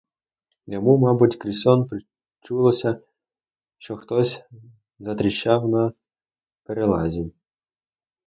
Йому, мабуть, крізь сон причулося, що хтось затріщав на перелазі.